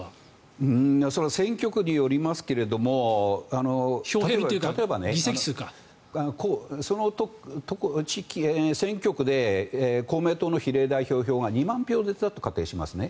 それは選挙区によりますが例えば、その選挙区で公明党の比例代表票が２万票出たと仮定しますね。